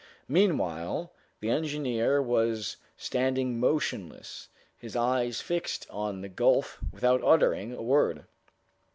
Meanwhile, the engineer was standing motionless, his eyes fixed on the gulf, without uttering a word.